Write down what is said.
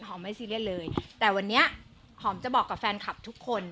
ไม่ซีเรียสเลยแต่วันนี้หอมจะบอกกับแฟนคลับทุกคน